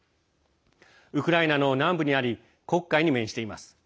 ウクライナの南部にあり黒海に面しています。